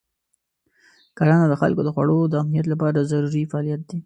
کرنه د خلکو د خوړو د امنیت لپاره ضروري فعالیت دی.